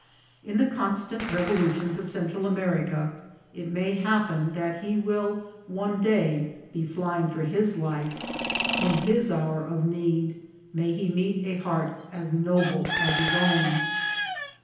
In the constant revolutions of Central America, it may happen that he will one day be flying for his life ; in his hour of need, may he meet a heart as noble as his own.